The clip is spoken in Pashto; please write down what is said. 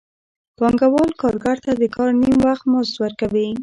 پانګوال کارګر ته د کار نیم وخت مزد ورکوي